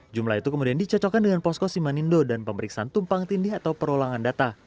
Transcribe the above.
jumlah itu kemudian dicocokkan dengan posko simanindo dan pemeriksaan tumpang tindih atau perulangan data